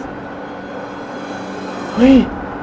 เฮ้ย